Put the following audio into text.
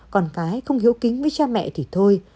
còn cái không hiếu kính với cha mẹ thì thôi